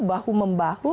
bahu membahu gitu ya